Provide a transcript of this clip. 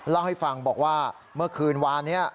เล่าให้ฟังบอกว่าเมื่อคืนวานนี้